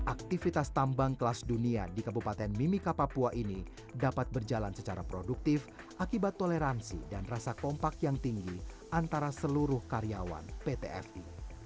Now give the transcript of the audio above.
aktivitas tambang kelas dunia di kabupaten mimika papua ini dapat berjalan secara produktif akibat toleransi dan rasa kompak yang tinggi antara seluruh karyawan pt fi